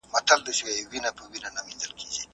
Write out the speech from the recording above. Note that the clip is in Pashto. تاسو کله خپله څېړنه پیل کوئ؟